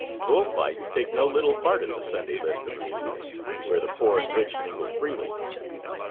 Bull fights take no little part in the Sunday list of amusements, where the poor and rich mingle freely.